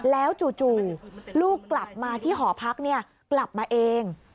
แล้วจู่ลูกกลับมาที่หอพักกลับมาเอง